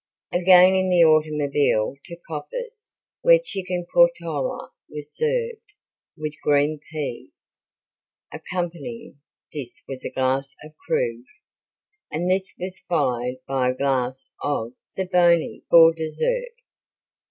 Again in the automobile to Coppa's where Chicken Portola was served, with green peas. Accompanying this was a glass of Krug, and this was followed by a glass of zabaione for dessert.